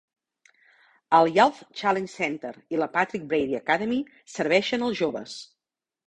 El Youth Challenge Center i la Patrick H. Brady Academy serveixen els joves.